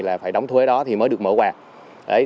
là phải đóng thuế đó thì mới được mở quà